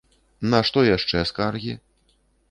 На што яшчэ скаргі?